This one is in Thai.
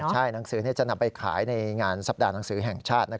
ใช่หนังสือจะนำไปขายในงานสัปดาห์หนังสือแห่งชาติ